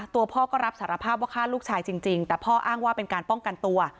ตัวพ่อก็รับสารภาพว่าฆ่าลูกชายจริงแต่พ่ออ้างว่าเป็นการป้องกันตัว